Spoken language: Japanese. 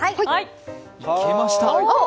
いけました！